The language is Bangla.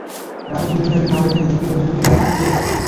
রাজ কিরণ টাইপের নাম রেখে দে, দেখবি প্রযোজকের লাইন লেগে যাবে।